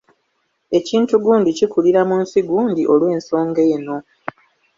Ekintu gundi kikulira mu nsi gundi olw'ensonga eno.